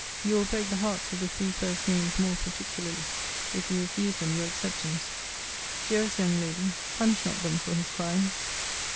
You will break the hearts of the three first named more particularly, if you refuse them your acceptance. Dearest young lady, punish not them for his crimes.